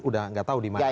udah gak tau dimana lagi